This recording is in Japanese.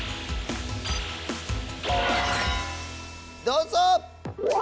どうぞ！